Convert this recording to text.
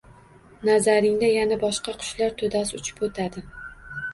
Nazaringda yana boshqa qushlar to’dasi uchib o’tadi.